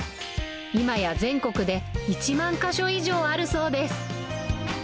今や全国で１万か所以上あるそうです。